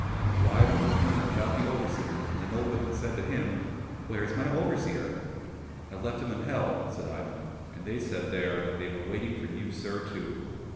" So Ivan returned without the overseer, and the nobleman said to him, *' Where's my overseer ?"—" I left him in hell," said Ivan, " and they said there that they were waiting for you, sir, too."